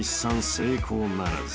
成功ならず］